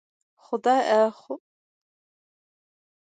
خوله به د خدای په رضا درکړم منګۍ مې ولی ښوروی لنده دې کړمه